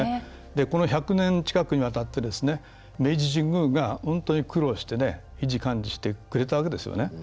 この１００年近くにわたって明治神宮が本当に苦労して維持管理してくれたわけですよね。